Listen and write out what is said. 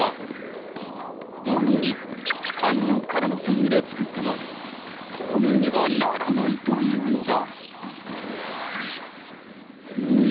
同様にカニの殻の繊維で作っても透明にはならないというのだ。